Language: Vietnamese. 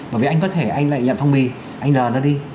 bởi vì anh có thể anh lại nhận thông mi anh đờ nó đi